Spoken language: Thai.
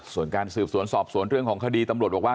ส่วนการสืบสวนสอบสวนเรื่องของคดีตำรวจบอกว่า